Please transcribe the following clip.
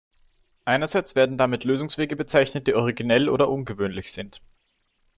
Einerseits werden damit Lösungswege bezeichnet, die originell oder ungewöhnlich sind.